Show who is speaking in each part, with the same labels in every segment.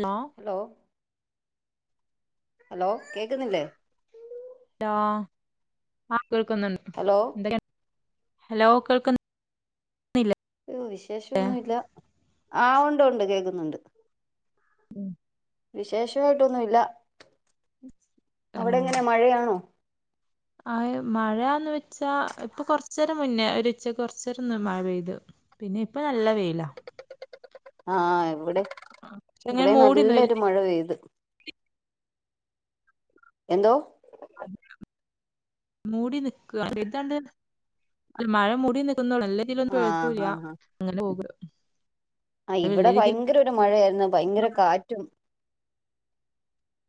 Speaker 1: ണോ
Speaker 2: hello hello, കേക്കുന്നില്ലേ?
Speaker 1: ലോ, ആ കേൾക്കുന്നുണ്ട്.
Speaker 2: ഹലോ
Speaker 1: എന്തെ ഹലോ, കേൾക്കുന്ന്
Speaker 2: യോ വിശേഷം ഒന്നു ഇല്ല. ആഹ് ഉണ്ട്. ഉണ്ട്. കേക്കുന്നുണ്ട്
Speaker 1: ഉം.
Speaker 2: വിശേഷവായിട്ടൊന്നു ഇല്ല. അവിടെ എങ്ങനെ മഴയാണോ?
Speaker 1: അഹ് മഴാന്ന് വെച്ചാ ഇപ്പൊ കൊർച്ചേരം മുന്നേ ഒരു ഉച്ചക്ക് കുറച്ചേരൊന്ന് മഴ പെയ്ത്. പിന്നെ ഇപ്പ നല്ല വെയിലാ.
Speaker 2: ആഹ്. ഇവിടെം.
Speaker 1: പക്ഷെ അങ്ങനെ
Speaker 2: ഇവിടെം
Speaker 1: മൂടിന്ന് വല്യ
Speaker 2: നല്ലൊരു മഴ പെയ്ത് എന്തോ?
Speaker 1: മൂടി നിക്കാ. [unintelligible] താണ്ട് അല്ല മഴ മൂടി നി നിക്ക്ന്നൊളളു. നല്ല തിലൊന്നും
Speaker 2: ആ
Speaker 1: പെയ്ത്ട്ടൂല്ല. അങ്ങനെ [unintelligible]
Speaker 2: ആഹ് ഇവിടെ
Speaker 1: വലിയ രീതിയിൽ
Speaker 2: ഭയങ്കര ഒരു മഴയായിരുന്നു. ഭയങ്കര കാറ്റും.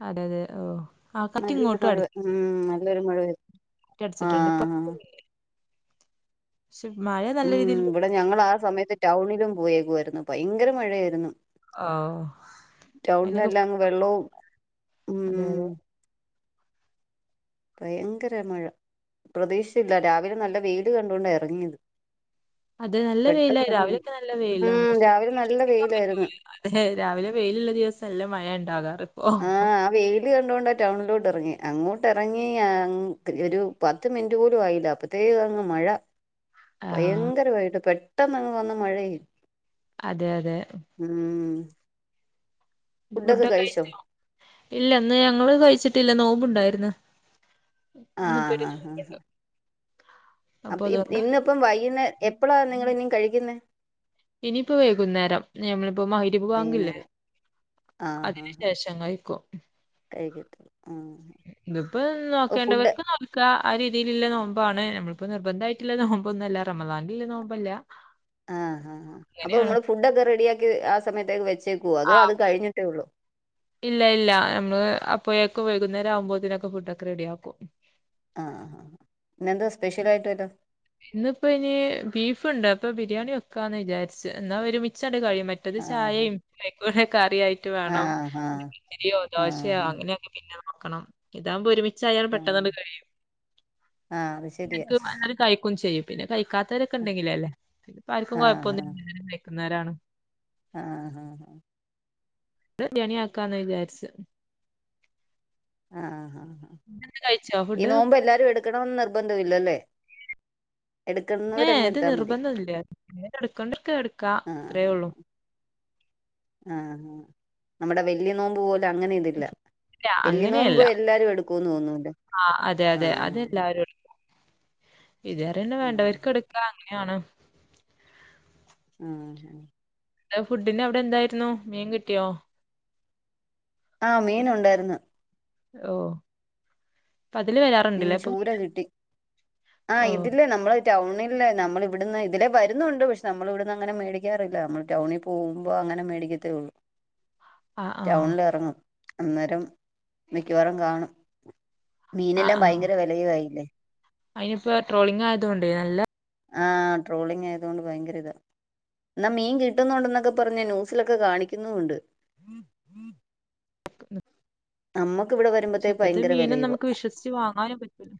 Speaker 1: അതെഅതെ. ഓഹ്
Speaker 2: നല്ലൊരു മഴ ഉം നല്ലൊരു മഴ പെയ്തു.
Speaker 1: റ്റ്
Speaker 2: ആ
Speaker 1: അടിച്ചിട്ടുണ്ട് ഇപ്പോ
Speaker 2: ആ. ഉം
Speaker 1: രീതിയിൽ
Speaker 2: ഇവിടെ ഞങ്ങള് ആ സമയത്ത് ടൗണിലും പോയേക്കുവാരുന്നു ഭയങ്കര മഴയായിരുന്നു.
Speaker 1: ഓ അയിനൊക്കെ
Speaker 2: ടൗണിലെല്ലാം അങ്ങ് വെള്ളവും ഉം
Speaker 1: അതെ
Speaker 2: ഭയങ്കര മഴ പ്രതീക്ഷിച്ചില്ല രാവിലെ നല്ല വെയില് കണ്ടുകൊണ്ട് ഇറങ്ങിയതാ
Speaker 1: അതേ നല്ല വെയിലാ രാവിലെയൊക്കെ നല്ല
Speaker 2: ഉം
Speaker 1: വെയിലാണ്
Speaker 2: രാവിലെ നല്ല
Speaker 1: വിശ്വസിക്കാൻ
Speaker 2: വെയിലായിരുന്നു
Speaker 1: പറ്റൂല്ല അതെ രാവിലെ വെയിലുള്ള ദിവസം എല്ലാം മഴയാണ്
Speaker 2: ആഹ് ആ വെയില് കണ്ടോണ്ടാ ടൗണിലോട്ട് ഇറങ്ങിയേ അങ്ങോട്ട് ഇറങ്ങി ഒരു പത്ത് മിനിറ്റ് പോലും ആയില്ല അപ്പത്തേക്ക് അങ്ങ് മഴ
Speaker 1: ആഹ്
Speaker 2: ഭയങ്കരവായിട്ട് പെട്ടെന്നങ്ങ് വന്ന മഴയായിരുന്നു.
Speaker 1: അതെ അതെ എന്നിട്ട് ഫുഡൊക്കെ കഴിച്ചോ ഇല്ല ഇന്ന് ഞങ്ങള് കഴിച്ചിട്ടില്ല നോമ്പുണ്ടായിരുന്ന്
Speaker 2: ആഹ് ആഹ് ആഹ്
Speaker 1: അപ്പൊ
Speaker 2: അപ്പ
Speaker 1: അതുകൊണ്ട്
Speaker 2: ഇന്ന് ഇപ്പം വൈകുനേ എപ്പളാ നിങ്ങൾ ഇനിയും കഴിക്കുന്നേ
Speaker 1: ഇനിയിപ്പൊ വൈകുന്നേരം. ഞമ്മളിപ്പോ മഗരിബ് ബാങ്കില്ലേ
Speaker 2: വൈകുന്നേരം ആഹ്
Speaker 1: അതിനു
Speaker 2: ആഹ്
Speaker 1: ശേഷം കഴിക്കും
Speaker 2: കഴിക്കത്തുള്ളൂ
Speaker 1: ഇതിപ്പോ
Speaker 2: ആഹ് ഫുഡ്
Speaker 1: നോക്കേണ്ടവർക്ക് നോൽക്കാം ആ രീതിയിലുള്ള നോമ്പാണ് നമ്മ ളിപ്പ നിർബന്ധായിട്ടുള്ള നോമ്പൊന്നുവല്ല റമദാനിലെ നോമ്പല്ല
Speaker 2: ആ അപ്പോ
Speaker 1: അങ്ങനെയാണ്.
Speaker 2: നമ്മള് ഫുഡൊക്കെ റെഡിയാക്കി ആ സമയത്തേക്ക് വെച്ചേക്കുവോ അതോ
Speaker 1: ആഹ്
Speaker 2: അത് കഴിഞ്ഞിട്ടേ ഉള്ളോ
Speaker 1: ഇല്ല ഇല്ല നമ്മള് അപ്പോഴേക്കും വൈകുന്നേരം ആവുമ്പോത്തേനൊക്കെ ഫുഡ് ഒക്കെ റെഡിയാക്കും.
Speaker 2: ആ ആ ആ ഇന്നെന്താ സ്പെഷ്യലായിട്ട് വല്ലോ
Speaker 1: ഇന്നിപ്പോ ഇനി ബീഫുണ്ട് അപ്പൊ ബിരിയാണി വെക്കാന്ന് വിചാരിച്ചു എന്നാ ഒരുമിച്ച് കഴിയും മറ്റത്
Speaker 2: ആഹ്
Speaker 1: ചായയും കറിയായിട്ട് വേണം
Speaker 2: ആഹ് ആഹ്
Speaker 1: ഇഡലിയോ ദോശയോ
Speaker 2: ആഹ്
Speaker 1: അങ്ങനെ നോക്കണം ഇതാവകുമ്പോ ഒരുമിച്ച് ആയാൽ
Speaker 2: ആഹ്
Speaker 1: പെട്ടെന്നാണ്ട് കഴിയും
Speaker 2: ആഹ് അത് ശരിയാ
Speaker 1: ക്ക് കഴി [unintelligible] ചെയ്യും പിന്നെ കഴിക്കാത്തവരൊക്കെണ്ടെങ്കിലെ അല്ലേ ഇപ്പൊ ആർക്കും കൊഴപ്പമൊന്നുമില്ല കഴിക്കുന്നവരാണ്.
Speaker 2: ആഹ ഹാ ഹാ ഹ
Speaker 1: ഇത്‌ ബിരിയാണി ആക്കാന്ന് വിചാരിച്ചേ
Speaker 2: ആഹ് ആഹ്
Speaker 1: കഴിച്ചോ
Speaker 2: ഈ
Speaker 1: ഫുഡ്
Speaker 2: നോമ്പ് എല്ലാരും എടുക്കണം എന്ന് നിർബന്ധവില്ലേ അല്ലേ
Speaker 1: ഏ ഇത് നിർബന്ധം ഇല്ല എടുക്കണ്ടവർക്ക് എടുക്കാം അത്രയേയുള്ളൂ
Speaker 2: ആഹ് ആഹ് നമ്മടെ വല്യ നോമ്പ് പോലെ അങ്ങനെ ഇതില്ല
Speaker 1: ഇല്ല
Speaker 2: വലിയ നോുമ്പ്
Speaker 1: അങ്ങനെയല്ല
Speaker 2: എല്ലാരും എടുക്കൊന്ന് തോന്നും അല്ലോ
Speaker 1: ആ അതെ അതെ
Speaker 2: ആഹ് ആഹ്
Speaker 1: ഇത് വരെ തന്നെ വേണ്ടവർക്ക് എടുക്കാം അങ്ങനെയാണ്
Speaker 2: ആഹ് ഹാ
Speaker 1: എ [unintelligible] ഫുഡിന് അവിടെ എന്തായിരുന്നു മീൻ കിട്ടിയോ
Speaker 2: ആ മീൻ ഒണ്ടായിന്ന്
Speaker 1: ഓ അപ്പൊ അതില്
Speaker 2: മീൻ
Speaker 1: വരാറുണ്ടല്ലേ അപ്പം
Speaker 2: ചൂര കിട്ടി ആ
Speaker 1: ഓ
Speaker 2: ഇതില് നമ്മള് ടൗണില്ലേ നമ്മള് ഇവിടുന്ന് ഇതിലെ വരുന്നുണ്ട് പക്ഷെ നമ്മള് ഇവിടുന്ന് അങ്ങനെ മേടിക്കാറില്ല നമ്മള് ടൗണിൽ പോകുമ്പോ- അങ്ങനെ മേടിക്കത്തേ ഉള്ളു
Speaker 1: ആ ആ
Speaker 2: ടൗണിലെറങ്ങും അന്നേരം മിക്കവാറും കാണും മീനെല്ലാം ഭയങ്കര വെലയും ആയില്ലേ
Speaker 1: അതിനിപ്പോ ട്രോളിങ് ആയതുകൊണ്ടേ നല്ല-
Speaker 2: ആഹ ട്രോളിങ് ആയത്കൊണ്ട് ഭയങ്കര ഇതാ എന്നാ മീൻ കിട്ടുന്നുണ്ടെന്നൊക്കെ പറഞ്ഞ് ന്യൂസിലൊക്കെ കാണിക്കുന്നുണ്ട് നമ്മക്ക് ഇവിടെ
Speaker 1: പക്ഷെ
Speaker 2: വരുമ്പോത്തേക്ക്
Speaker 1: ഇപ്പത്തെ
Speaker 2: ഭയങ്കര
Speaker 1: മീനും
Speaker 2: വെലയുവ
Speaker 1: നമുക്ക് വിശ്വസിച്ച് വാങ്ങാനും പറ്റൂല.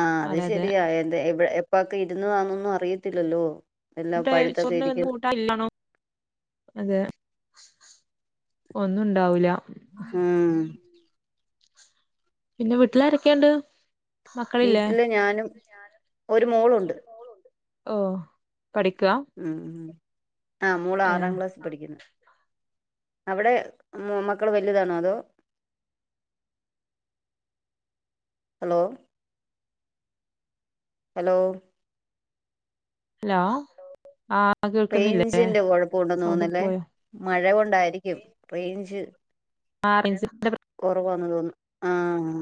Speaker 2: ആ അത്
Speaker 1: അതെ അതെ
Speaker 2: ശരിയ എന്താ എപ്പക്കെ ഇരുന്നതാന്ന് ഒന്നും അറിയത്തില്ലല്ലോ എല്ലാം
Speaker 1: ട്ട
Speaker 2: പഴുത്തൊക്കെ
Speaker 1: സ്വർണ്ണ വന്ത [unintelligible]
Speaker 2: ഇരിക്കുന്നു
Speaker 1: ഊട്ട ഇല്ലാണോ അതെ [inaudible] ഒന്നും ഉണ്ടാവൂല
Speaker 2: ആഹ്
Speaker 1: പിന്നെ വീട്ട്ലാരൊക്കേണ്ട്
Speaker 2: വീട്ട്ല് ഞാനും ഒരു മോളുണ്ട്
Speaker 1: ഓഹ്
Speaker 2: ഉം ആഹ് മോള്
Speaker 1: ഏ
Speaker 2: ആറാം ക്ലാസ് പഠിക്കിന്ന് അവിടെ മ് മോ മക്കള് വലുതാണോ അതോ ഹലോ ഹലോ
Speaker 1: ഹലോ ആഹ്
Speaker 2: റെയിഞ്ചിന്റെ കൊഴപ്പൊ ഉണ്ടന്ന് തോന്ന്ന്നല്ലേ
Speaker 1: പോയോ?
Speaker 2: മഴ കൊണ്ടായിരിക്കും റെയിഞ്ച്
Speaker 1: ആഹ് [unintelligible]
Speaker 2: ന്ന്തോന്ന് ആഹ്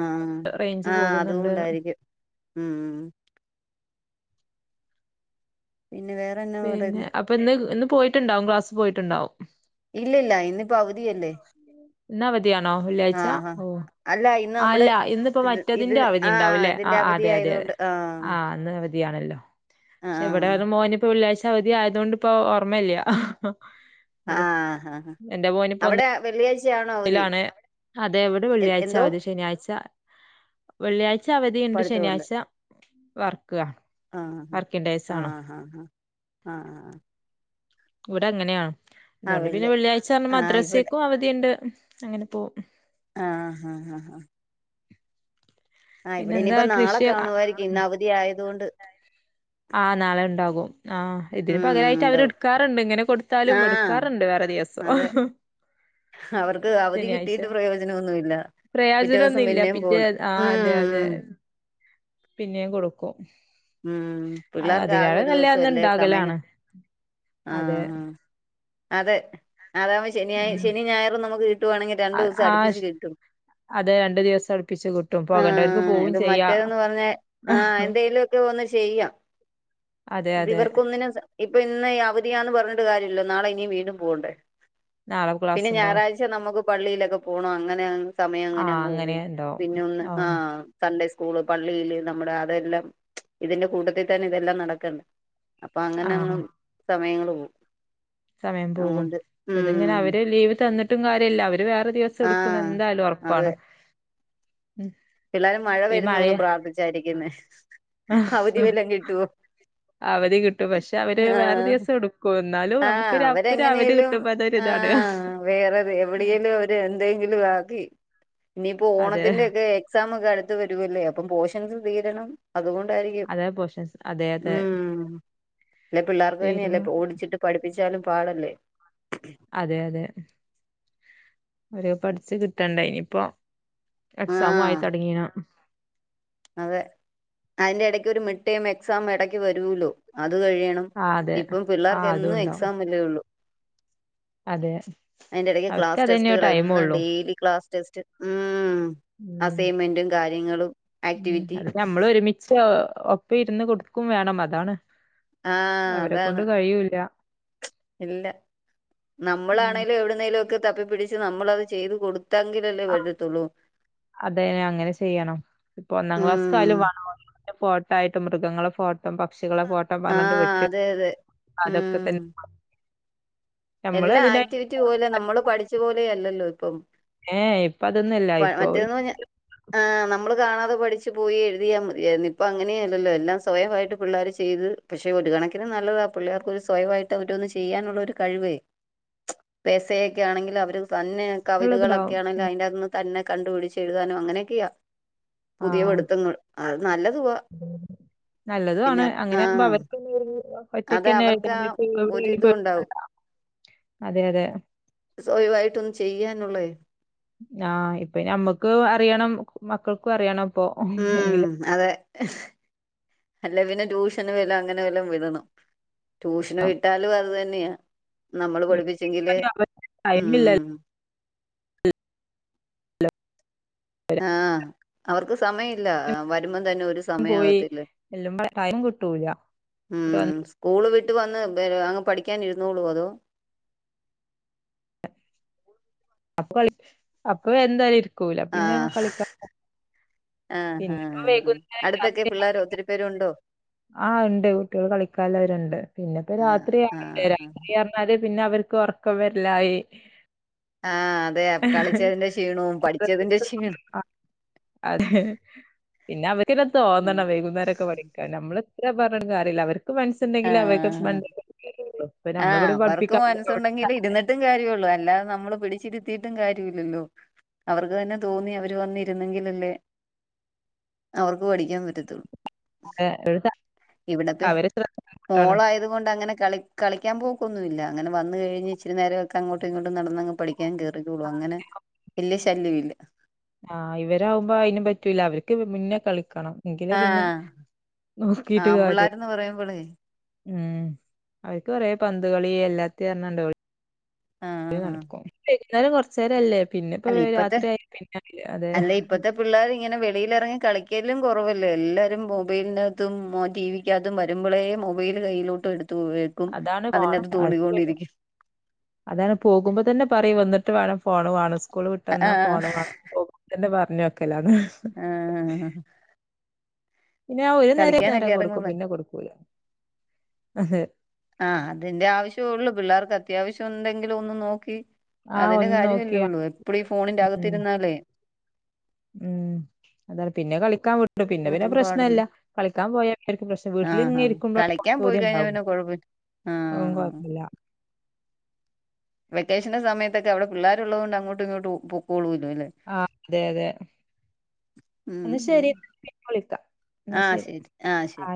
Speaker 2: ആഹ്
Speaker 1: റേഞ്ച്
Speaker 2: ആഹ് അത്
Speaker 1: പോകുന്നുണ്ട്ന്ന്
Speaker 2: കൊണ്ടായിരിക്കും ഉം പിന്നെ വേറെന്നാ
Speaker 1: പിന്നെ
Speaker 2: പറയുന്ന
Speaker 1: അപ്പ ഇന്ന് ഇന്ന് പോയിട്ട്ണ്ടാവും ക്ലാസ് പോയിട്ട്ണ്ടാവും
Speaker 2: ഇല്ലല്ല ഇന്ന്പ്പൊ അവ
Speaker 1: ഇന്ന് അവധിയാണോ വെള്ളിയാഴ്ച
Speaker 2: ആഹ് ആഹ്
Speaker 1: ഓഹ്
Speaker 2: അല്ല ഇന്ന് നമ്മുടെ
Speaker 1: ആല്ല ഇന്ന്പ്പം
Speaker 2: ഇത് ഇത്
Speaker 1: മറ്റതിന്റെ
Speaker 2: ആഹ്
Speaker 1: അവധിണ്ടാവുല്ലേ
Speaker 2: ഇതിന്റെ
Speaker 1: ആഹ്
Speaker 2: അവധി
Speaker 1: അതെ അതെ അതെ
Speaker 2: ആയതുകൊണ്ട്
Speaker 1: ആഹ് അന്ന് അവ ധിയാണല്ലോ ക്ഷേ
Speaker 2: ആഹ്
Speaker 1: ഇവടാരും മോന്പ്പൊ വെള്ളിയാഴ്ച അവധിയായതോണ്ട്പ്പോ ഓർമ്മല്ല്യാ ഇവടെ
Speaker 2: ആഹ് ആഹ്
Speaker 1: എന്റെ മോനിപ്പോ ഒന്ന്
Speaker 2: അവിടെ വെള്ളിയാഴ്ചയാണോ അവധി
Speaker 1: ലാണ് അതെ ഇവടെ
Speaker 2: എ
Speaker 1: വെള്ളിയാഴ്ച
Speaker 2: എന്തോ
Speaker 1: അവധി ശനിയാഴ്ച വെള്ളിയാഴ്ച അവധിയിണ്ട്
Speaker 2: പഠിത്തമുണ്ട്
Speaker 1: ശനിയാഴ്ച വർക്കാ
Speaker 2: ആഹ് ഹാ
Speaker 1: വർക്കിംഗ് ഡേയ്സ് ആണ്
Speaker 2: ആഹ് ഹാ ഹാ ആഹ്
Speaker 1: ഇവടെ അങ്ങനെയാ
Speaker 2: ആഹ്
Speaker 1: അതോണ്ട് പിന്നെ
Speaker 2: വെള്ളി
Speaker 1: വെള്ളിയാഴ്ചർഞ്ഞ്
Speaker 2: ആഹ് ഇവിടെ
Speaker 1: മദ്രസേക്കും അവധിയിണ്ട് അങ്ങനെപ്പോ
Speaker 2: ആഹ് ആഹ് ആഹ് ആഹ് ആഹ് ഇവിടെ
Speaker 1: പിന്നെന്താ
Speaker 2: ഇനിയിപ്പോ നാളെ
Speaker 1: കൃഷി ആ, ആ.
Speaker 2: കാണുവായിരിക്കും, ഇന്ന് അവധി ആയതുകൊണ്ട്.
Speaker 1: ആഹ് നാളെ ഉണ്ടാകും. ആഹ് ഇതിന്
Speaker 2: ഉം
Speaker 1: പകരായിട്ട് അവര്
Speaker 2: ഉണ്ടാവും
Speaker 1: എടുക്കാറുണ്ട്, ഇങ്ങനെ കൊടുത്താലും
Speaker 2: ആഹ്
Speaker 1: എടുക്കാറുണ്ട് വേറെ ദിവസം.
Speaker 2: അതെ അവർക്ക് അവധി കിട്ടിയിട്ട് പ്രയോജനം ഒന്നുമില്ല.
Speaker 1: പ്രയോജനം ഒന്നുല്ല പിറ്റേ ആഹ് അതെ അതെ
Speaker 2: ഉം
Speaker 1: പിന്നെയും കൊടുക്കും.
Speaker 2: ഉം പിള്ളേർക്ക് ആകെ
Speaker 1: അതിനാലും
Speaker 2: ഒരു
Speaker 1: നല്ലത്
Speaker 2: ദിവസം
Speaker 1: അന്ന്
Speaker 2: അല്ലേ സമയം കി
Speaker 1: ഇണ്ടാകലാണ്
Speaker 2: ആഹ്
Speaker 1: അതെ
Speaker 2: ആഹ് അതെ. അതാവുമ്പോ ശനിയാ
Speaker 1: ഉം
Speaker 2: ശനി ഞായറും നമുക്ക് കിട്ടുവാണെങ്കിൽ രണ്ടുദിവസം അടിപ്പിച്ച്
Speaker 1: ആഹ്
Speaker 2: കിട്ടും.
Speaker 1: അതെ രണ്ടു ദിവസം അടുപ്പിച്ച് കിട്ടും പോകേണ്ടവർക്ക്
Speaker 2: ആഹ്
Speaker 1: പോവും
Speaker 2: ഇത്
Speaker 1: ചെയ്യാ
Speaker 2: മറ്റേതെന്ന് പറഞ്ഞാൽ ആഹ് എന്തേലും ഒക്കെ ഒന്ന്. ചെയ്യാം.
Speaker 1: അതെ അതെ
Speaker 2: ഇതിവർക്ക് ഒന്നിനും സ ഇപ്പൊ ഇന്ന് ഈ അവധിയെന്ന് പറഞ്ഞിട്ട് കാര്യമില്ലല്ലോ നാളെ ഇനി വീണ്ടും പോവണ്ടേ.
Speaker 1: നാളെ ക്ലാസ്
Speaker 2: പിന്നെ
Speaker 1: ഉണ്ടാവും
Speaker 2: ഞായറാഴ്ച നമുക്ക് പള്ളിയിലൊക്കെ പോണം അങ്ങനെയാണ്. സമയം
Speaker 1: ആഹ്
Speaker 2: അങ്ങനെയങ്ങ്
Speaker 1: അങ്ങനെ
Speaker 2: പോവും
Speaker 1: ഉണ്ടാവും
Speaker 2: പിന്നെ ഒന്ന്
Speaker 1: ഓഹ്
Speaker 2: ആഹ് സൺഡേയ്സ്. സ്കൂൾ പള്ളിയില് നമ്മുടെ അതെല്ലാം ഇതിന്റെ കൂട്ടത്തിൽ തന്നെ ഇതെല്ലാം നടക്കണ്ടേ. അപ്പൊ അങ്ങനങ്ങ്
Speaker 1: ആഹ്
Speaker 2: സമയങ്ങള് പോവും.
Speaker 1: സമയം പോകും
Speaker 2: അതുകൊണ്ട്
Speaker 1: ഇതിങ്ങനെ
Speaker 2: ഉം
Speaker 1: അവര് ലീവ് തന്നിട്ടും കാര്യയില്ല അവര്. അവര് വേറെ ദിവസം എടുക്കൂന്ന്
Speaker 2: ആഹ്
Speaker 1: എന്തായാലും
Speaker 2: അതെ
Speaker 1: ഉറപ്പാണ്. ഉം
Speaker 2: പിള്ളേര് മഴ
Speaker 1: ഇപ്പൊ ഈ
Speaker 2: വരുന്നൂന്ന് പ്രാർത്ഥിച്ചായിരിക്കുന്നെ അവധിവെല്ലോം കിട്ടുവോ.
Speaker 1: അവധി കിട്ടും പക്ഷെ അവര് വേറെ
Speaker 2: ആഹ്
Speaker 1: ദിവസം എടുക്കും. എന്നാലും
Speaker 2: ആഹ്
Speaker 1: നമുക്കൊരു ഒരു അവധി
Speaker 2: അവരെങ്ങനെയേലും
Speaker 1: കിട്ടുമ്പോ അതൊരു ഇതാണ്.
Speaker 2: ആഹ് വേറെത് എവിടേലും അവര് എന്തെങ്കിലും കാ ആക്കി ഇനിയിപ്പോ
Speaker 1: അതെ
Speaker 2: ഓണത്തിന്റെ ഒക്കെ എക്സാം ഒക്കെ അടുത്ത് വരൂവല്ലേ അപ്പം പോഷൻസ് തീരണം. അതുകൊണ്ടായിരിക്കും
Speaker 1: അതെ പോഷൻസ് അതെ അതെ
Speaker 2: ഉം. അല്ല പിള്ളേർക്ക് തന്നെയല്ലേ
Speaker 1: തീരുമാ
Speaker 2: ഓടിച്ചിട്ട് പഠിപ്പിച്ചാലും പാടല്ലേ.
Speaker 1: അതെ അതെ ഓര് പഠച്ചു കിട്ടണ്ടേ ഇനിയിപ്പോ എക്സാമായി
Speaker 2: ആഹ്
Speaker 1: തൊടങ്ങീന
Speaker 2: അതെ അതിന്റെ ഇടക്ക് ഒരു മിഡ്ടേം എക്സാമ് ഇടക്ക് വരൂല്ലോ. അത് കഴിയണം.
Speaker 1: ആ അതെ
Speaker 2: ഇപ്പം
Speaker 1: ആ
Speaker 2: പിള്ളേർക്ക്
Speaker 1: അതും
Speaker 2: എന്നും
Speaker 1: ഉണ്ടാവും.
Speaker 2: എക്സാം അല്ലേയുള്ളൂ.
Speaker 1: അതെ
Speaker 2: അതിന്റെ ഇടയ്ക്ക്
Speaker 1: അവർക്ക്
Speaker 2: ക്ലാസ്
Speaker 1: അതന്നെ
Speaker 2: ടെസ്റ്റുകൾ
Speaker 1: ടൈമ്
Speaker 2: എന്നും
Speaker 1: ഉള്ളൂ.
Speaker 2: ഡെയിലി ക്ലാസ് ടെസ്റ്റ് ഉം
Speaker 1: ഉം
Speaker 2: അസൈൻമെന്റും കാര്യങ്ങളും ആക്ടിവിറ്റി
Speaker 1: അത് നമ്മൾ ഒരുമിച്ച് ഒപ്പം ഇരുന്ന് കൊടുക്കും വേണം. അതാണ്
Speaker 2: ആ
Speaker 1: അവരെ
Speaker 2: അതാണ്
Speaker 1: കൊണ്ട് കഴിയൂല.
Speaker 2: ഇല്ല. നമ്മളാണേലും
Speaker 1: ഉം
Speaker 2: എവിടുന്നേലും ഒക്കെ തപ്പിപ്പിടിച്ച് നമ്മളത് ചെയ്ത് കൊടു
Speaker 1: ആ അതെ അങ്ങനെ ചെയ്യണം. ഇപ്പൊ ഒന്നാം ക്ലാസക്ക്
Speaker 2: ഉം
Speaker 1: ആയാലും വേണം ഫോട്ടോ ആയിട്ട് മൃഗങ്ങളെ ഫോ ട്ടം പക്ഷികളെ ഫോട്ടം പറഞ്ഞണ്ട്
Speaker 2: ആഹ്
Speaker 1: വെട്ടി
Speaker 2: അതെ അതെ
Speaker 1: അതൊക്കെ
Speaker 2: ഉം
Speaker 1: തന്നെ നമ്മള്
Speaker 2: എല്ലാ
Speaker 1: അതിനായിട്ട്
Speaker 2: ആക്ടിവിറ്റിപോലെ നമ്മള് പഠിച്ചു പോലെ അല്ലല്ലോ ഇപ്പം.
Speaker 1: ഏ ഇപ്പ അതൊന്നുംല്ല ഇപ്പൊ
Speaker 2: മറ്റേന്ന് പഞ്ഞ ആ ന നമ്മള് കാണാതെ പഠിച്ച് പോയി എഴുതിയാ മതിയായിരുന്നു. ഇപ്പൊ അങ്ങനെയല്ലല്ലോ. എല്ലാം സ്വയമായിട്ട് പിള്ളേര് ചെയ്ത് പക്ഷെ ഒരു കണക്കിന് നല്ലതാ പിള്ളേർക്ക് ഒരു സ്വയമായിട്ട് ഓരോന്ന് ചെയ്യാനുള്ളൊരു കഴിവേ എ സയൊക്കെ ആണെങ്കില് അവരത് തന്നെ കവിതകളൊക്കെ
Speaker 1: ഉള്ളത്ണ്ടാവും
Speaker 2: ആണെങ്കിൽ അതിന്റകത്തുനിന്ന് തന്നെ കണ്ടുപിടിച്ച് എഴുതാനും അങ്ങനെയൊക്കെയാ പുതിയ
Speaker 1: ആഹ്
Speaker 2: പഠുത്തങ്ങള് അത് നല്ലതുവാ
Speaker 1: നല്ലതും
Speaker 2: പിന്നെ
Speaker 1: ആണ്
Speaker 2: ആ
Speaker 1: അങ്ങനെ ആകുമ്പോ അവർക്ക്ന്നെ ഒരു
Speaker 2: അത്
Speaker 1: ഒറ്റക്കന്നെ
Speaker 2: അവർക്കാ
Speaker 1: എവിടെലും
Speaker 2: ഒരിതുംണ്ടാവും.
Speaker 1: പേടിക്കണ്ട അതെ അതെ
Speaker 2: സ്വയമായിട്ടൊന്ന് ചെയ്യാനുള്ളേ
Speaker 1: ആ ഇപ്പൊ ഞമ്മക്ക് അറിയണം. മക്കൾക്കും അറിയണം ഇപ്പൊ എങ്കില്
Speaker 2: അല്ല പിന്നെ ട്യൂഷന് വിടോ അങ്ങനെ വെല്ലോം വിടണം. ട്യൂഷന് വിട്ടാലും അത് തന്നെയാ. നമ്മള് പഠപ്പിച്ചെങ്കിലേ ഉം
Speaker 1: ടൈമില്ല
Speaker 2: ആ അവർക്ക് സമയം ഇല്ല. വരുമ്പം തന്നെ ഒരു
Speaker 1: എല്ലാം പോയി
Speaker 2: സമയാകത്തില്ലേ.
Speaker 1: [unintelligible]
Speaker 2: ഉം സ്കൂൾ വി ട്ട് വന്ന് അങ്ങ് പഠിക്കാനിരുന്നുളൂ അതോ
Speaker 1: [unintelligible] അപ്പൊ എന്തായാലും ഇരിക്കൂല പിന്നെ കളിക്ക
Speaker 2: ആ ആ
Speaker 1: പിന്നെപ്പോ
Speaker 2: ആ്
Speaker 1: വൈകുന്നേരം
Speaker 2: അടുത്തൊക്കെ
Speaker 1: രാത്രി
Speaker 2: പിള്ളോരോ ഒത്തിരി പേരു ഉണ്ടോ
Speaker 1: ആ ഇണ്ട് കുട്ടികൾ കളിക്കാൻവരുണ്ട് പിന്നെ ഇപ്പോ
Speaker 2: ആഹ്
Speaker 1: രാത്രിയാണണ്ട്
Speaker 2: ആഹ്
Speaker 1: രാത്രിഞ്ഞ പിന്നെ അവർക്ക് ഉറക്കം വരല്ലായി
Speaker 2: ആഹ് അതെ കളിച്ചതിന്റെ ക്ഷീണവും പഠിച്ചതിന്റെ ക്ഷീണവും
Speaker 1: [unintelligible] അതെ പിന്നെ അവന തോന്നണം വൈകുന്നേരംക്കെ പഠിക്കാ നമ്മള് [unintelligible] പറഞ്ട്ടും കാര്യല്ല അവർക്ക് മനസ്സുണ്ടെങ്കിൽ [unintelligible] ഇപ്പൊ
Speaker 2: ആ
Speaker 1: നമ്മളിവിടെ
Speaker 2: അവർക്ക്
Speaker 1: പഠിപ്പിക്കാൻ വിടുന്നവിടെ
Speaker 2: മനസ്സുണ്ടെങ്കിൽ ഇരുന്നിട്ടും കാര്യള്ളൂ അല്ലാതെ നമ്മ നമ്മള് പിടിച്ചിട്ടത്തിട്ടും കാര്യല്ലല്ലോ അവർക്ക് തന്നെ തോന്നി അവര് വന്നിരുന്നെങ്കിലല്ലേ അവർക്ക് പഠിക്കും ഠിക്കാൻ പറ്റത്തുള്ളൂ ഇവിടെത്തെ
Speaker 1: അവരെ ശ്രദ്ധിക്കാണ്
Speaker 2: മോളായത് കൊണ്ട് അങ്ങനെ [unintelligible] കളിക്കാൻ പോക്കൊന്നുമില്ല അനെ വന്നു കഴിഞ് ഇച്ചരി നേരൊക്കെ അങ്ങോട്ട ഇങ്ങട്ടും നടന്നങ് പഠിക്കും ഠിക്കാൻ കയറിക്കൊള്ളും അങ്ങനെ വല്യ ശല്യമില്ല
Speaker 1: ആ ഇവരാകുമ്പോ അയിനും പറ്റൂല്ല അവർക്ക് മുന്നേ കളിക്കണം എങ്കില് പിന്നെ
Speaker 2: ആമ്പിള്ളേർന്ന് പറയുമ്പോള
Speaker 1: മ്മ് അവർക്ക് കുറേ പന്ത കളി എല്ലാത്ത [unintelligible] [unintelligible]
Speaker 2: ആഹ് ആഹ്
Speaker 1: നടക്കും. ന്നെ വൈകുന്നേരം കുറച്ച [unintelligible] പിന്നെ ഇപ്പോ
Speaker 2: അല്ല ഇപ്പത്തെ
Speaker 1: രാത്രിയയി പിന്നെ അതെ
Speaker 2: [unintelligible] ഇറങ്ങി കളിക്കലും കുറവല്ല എല്ലാവരും മൊബൈലിനകത്തും ടി വിക്കകത്തും വരുമ്പോഴേ മൊബൈൽ കയ്യിലോട്ട് എടു
Speaker 1: അതാണ് [unintelligible] അതാണ് പോകുമ്പോ തന്നെ പറയും വന്നിട്ട് വേണം ഫോണ് കാണും സ്കൂള് വിട്ടന്നാൽ ഫോണ്
Speaker 2: ആഹ്
Speaker 1: പോ തന്നെ പറഞ്ഞഞ്ൊക്കല്ലന്ന്
Speaker 2: ആ
Speaker 1: പിന്നെ ആ ഒരു നേര നേരം കൊടുക്കും
Speaker 2: ഇറങ്ങുമ്പളേ
Speaker 1: പിന്നെ കൊടുക്കൂല അതെ
Speaker 2: ആ അതിന്റെ ആവശ്യംള്ളു പിള്ളേർക്ക് അത്യാവശ്യം എന്തെങ്കിലും ഒന്നന്ന് നോക്കി
Speaker 1: ആ
Speaker 2: അതിന്റെ
Speaker 1: ഒന്ന് നോക്കിയ
Speaker 2: കാര്യമല്ലേള്ളൂ എപ്പഴ ഈ ഫോണിന്റെറെ അകത്തിരുന്നാലേ
Speaker 1: മ്മ് അത പിന്നെ കളിക്കാൻ വിള പിന്നെ പിന്നെ
Speaker 2: അതും പാടല്ലേ
Speaker 1: പ്രശ്നമല്ല കളിക്കാൻ പോയർക്കും പ്രശ്നം വീട്ടിൽ
Speaker 2: ആഹ്
Speaker 1: ഇങ്ങ
Speaker 2: ആഹ്
Speaker 1: ഇരിക്കുമ്പോഴ
Speaker 2: കളിക്കാൻ പോയി
Speaker 1: ചോദ്യം
Speaker 2: കഴിഞ്ഞാ
Speaker 1: ഉണ്ടാവോ
Speaker 2: പിന്നെ കൊഴപ്പ
Speaker 1: [unintelligible]
Speaker 2: ആഹ്
Speaker 1: കുഴപ്പല്ല
Speaker 2: വെക്കേഷന്റെ സമയത്തൊക്കെ അവിടെ പിള്ളേരുള്ളുകൊണ്ട് അങ്ങോട്ട ഇങ്ങോട്ട പോക്കോള
Speaker 1: ആ അതെ അതെ
Speaker 2: ഉം
Speaker 1: എന്നാ
Speaker 2: ഉം
Speaker 1: ശരി എന്ന [unintelligible] വിളിക്കാം എന്നാ
Speaker 2: ആഹ്
Speaker 1: ശരി
Speaker 2: ആഹ് ശരി
Speaker 1: ആ